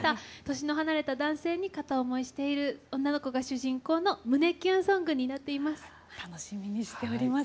年の離れた男性に片思いしている女の子が主人公の胸キュンソングになっています。